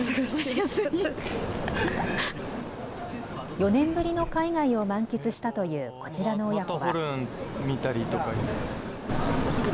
４年ぶりの海外を満喫したというこちらの親子は。